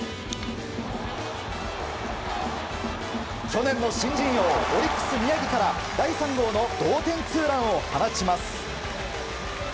去年の新人王オリックス宮城から第３号の同点ツーランを放ちます。